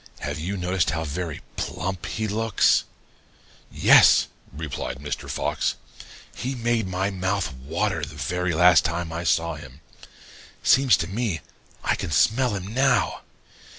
Have you noticed how very plump he looks?' "'Yes,' replied Mr. Fox. 'He made my mouth water the very last time I saw him. Seems to me I can smell him now.